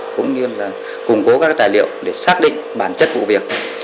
cũng như là củng cố các tài liệu để xác định bản chất vụ việc